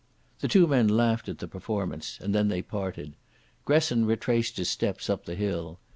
The two men laughed at the performance, and then they parted. Gresson retraced his steps up the hill.